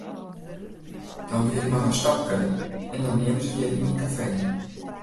Dan wie it mar in stapke en dan wienen se hjir yn it kafee.